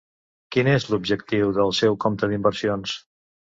Quin és l'objectiu del seu compte d'inversions?